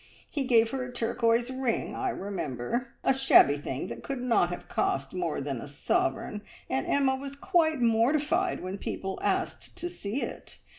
He gave her a turquoise ring, I remember a shabby thing that could not have cost more than a sovereign, and Emma was quite mortified when people asked to see it.